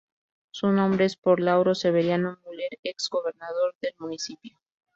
Su nombre es por Lauro Severiano Müller, ex-gobernador del municipio.